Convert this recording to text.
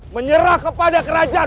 menyerah kepada kerajaan